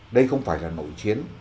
đây không phải là nội chiến